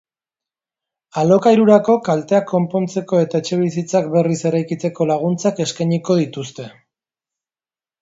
Alokairurako, kalteak konpontzeko eta etxebizitzak berriz eraikitzeko laguntzak eskainiko dituzte.